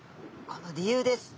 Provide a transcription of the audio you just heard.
この理由です。